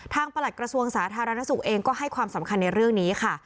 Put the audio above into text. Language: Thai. ประหลัดกระทรวงสาธารณสุขเองก็ให้ความสำคัญในเรื่องนี้ค่ะ